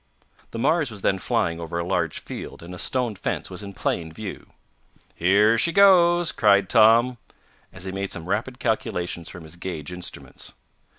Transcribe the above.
The Mars was then flying over a large field and a stone fence was in plain view. "Here she goes!" cried Tom, as he made some rapid calculations from his gauge instruments.